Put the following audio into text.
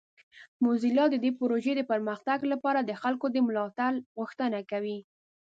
موزیلا د دې پروژې د پرمختګ لپاره د خلکو د ملاتړ غوښتنه کوي.